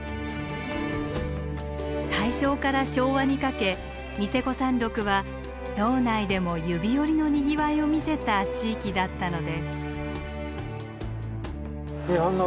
大正から昭和にかけニセコ山麓は道内でも指折りのにぎわいを見せた地域だったのです。